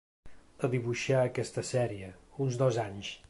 A dibuixar aquesta sèrie, uns dos anys.